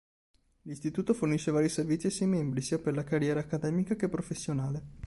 L'istituto fornisce vari servizi ai suoi membri, sia per la carriera accademica che professionale.